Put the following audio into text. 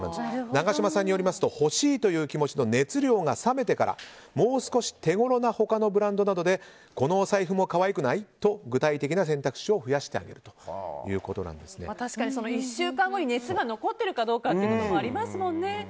長島さんによりますと欲しいという気持ちの熱量が冷めてからもう少し手頃なブランドなどでこのお財布も可愛くない？と具体的な選択肢を確かに１週間後に熱が残っているかどうかもありますもんね。